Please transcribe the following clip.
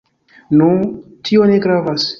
Nu, tio ne gravas.